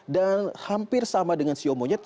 dan hampir sama dengan siu monyet